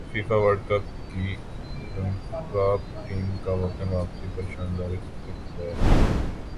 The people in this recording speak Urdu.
فیفاورلڈ کپ کی رنراپ ٹیم کا وطن واپسی پر شاندار استقبال